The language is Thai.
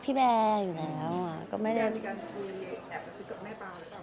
พี่แบร์มีการคุยแอบสักทีกับแม่เปล่าหรือเปล่า